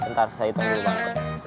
bentar saya tunggu dulu bang